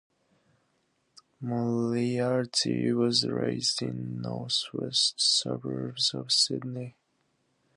Moriarty was raised in the north-west suburbs of Sydney.